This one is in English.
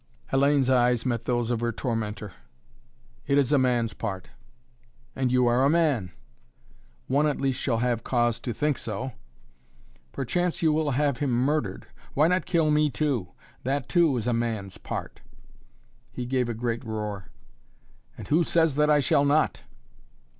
Hellayne's eyes met those of her tormentor. "It is a man's part!" "And you are a man!" "One at least shall have cause to think so." "Perchance you will have him murdered. Why not kill me, too? That, too, is a man's part." He gave a great roar. "And who says that I shall not?"